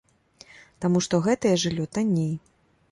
Таму што гэтае жыллё танней.